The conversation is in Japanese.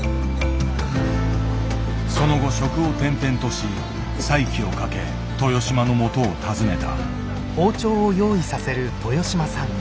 その後職を転々とし再起をかけ豊島のもとを訪ねた。